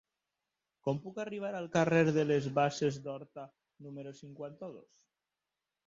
Com puc arribar al carrer de les Basses d'Horta número cinquanta-dos?